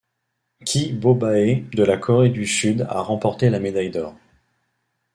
Ki Bo-bae de la Corée du Sud a remporté la médaille d'or.